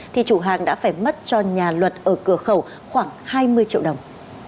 thì chủ hàng đã phải mất cho nhà luật ở cửa khẩu khoảng hai mươi triệu đồng